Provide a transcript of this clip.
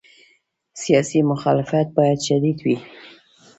سیاسي مخالفت باید شدید وي.